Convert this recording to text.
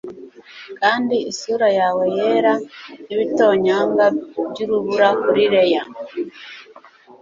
Kandi isura yawe yera nkibitonyanga byurubura kuri lea